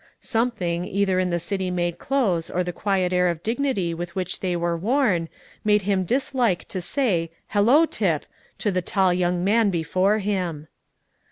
Something, either in the city made clothes or the quiet air of dignity with which they were worn, made him dislike to say "Hallo, Tip!" to the tall young man before him.